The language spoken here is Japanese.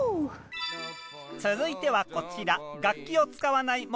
続いてはこちら！